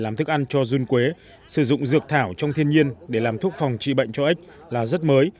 làm thức ăn cho run quế sử dụng dược thảo trong thiên nhiên để làm thuốc phòng trị bệnh cho ếch là rất mới